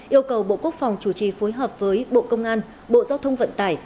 yêu cầu bộ quốc phòng chủ trì phối hợp với bộ công an bộ giao thông vận tải